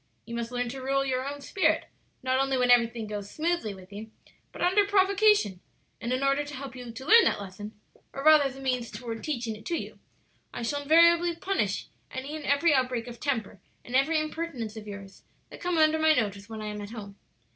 You must learn to rule your own spirit, not only when everything goes smoothly with you, but under provocation; and in order to help you to learn that lesson or rather as a means toward teaching it to you I shall invariably punish any and every outbreak of temper and every impertinence of yours that come under my notice when I am at home.